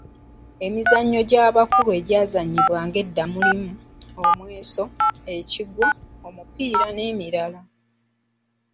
Emizannyo egy’abakulu egyazannyibwanga edda mulimu: omweso, ekigwo, omupiira n'emirala.